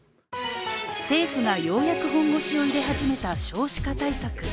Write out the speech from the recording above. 政府がようやく本腰を入れ始めた少子化対策。